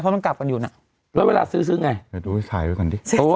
เพราะมันกลับกันอยู่น่ะแล้วเวลาซื้อซื้อไงเดี๋ยวดูพี่ชายไว้ก่อนดิ